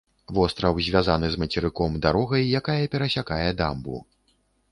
Востраў звязаны з мацерыком дарогай, якая перасякае дамбу.